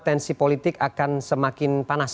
tensi politik akan semakin panas